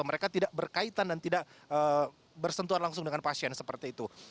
mereka tidak berkaitan dan tidak bersentuhan langsung dengan pasien seperti itu